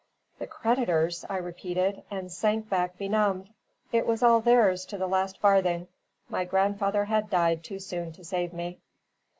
"The creditors!" I repeated, and sank back benumbed. It was all theirs to the last farthing: my grandfather had died too soon to save me.